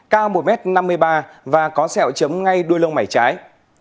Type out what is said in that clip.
cao một m năm mươi ba và có sẹo chấm ngay đuôi lông mảy trái